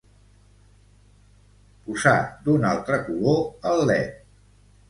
Posar d'un altre color el led.